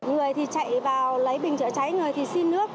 người thì chạy vào lấy bình chữa cháy người thì xin nước